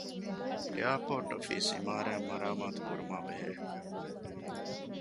އެއަރޕޯޓް އޮފީސް އިމާރާތް މަރާމާތުކުރުމާ ބެހޭ